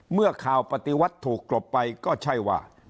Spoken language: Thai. เมื่อข่าวปฏิวัติถูกกลบไปก็ใช่ว่า